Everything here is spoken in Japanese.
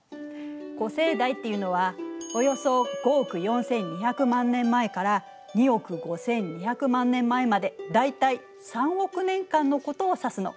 古生代っていうのはおよそ５億４２００万年前から２億５２００万年前まで大体３億年間のことを指すの。